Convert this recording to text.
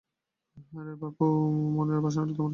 হ্যা রে বাপু, মনের বাসনাটা তোমার কী?